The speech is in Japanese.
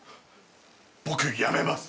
僕辞めます。